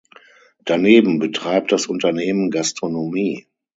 Daneben betreibt das Unternehmen Gastronomie.